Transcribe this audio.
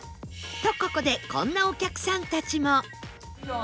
とここでこんなお客さんたちも